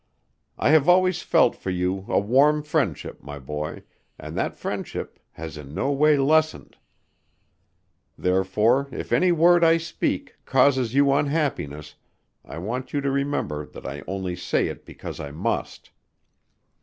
I have always felt for you a warm friendship, my boy, and that friendship has in no way lessened. Therefore if any word I speak causes you unhappiness, I want you to remember that I only say it because I must.